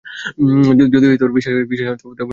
যদি বিশ্বাস না কর, তবে নরকে যাইবে।